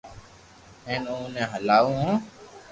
ھون اوني ھلاوُ ھون